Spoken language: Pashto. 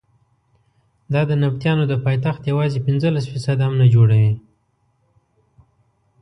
دا د نبطیانو د پایتخت یوازې پنځلس فیصده هم نه جوړوي.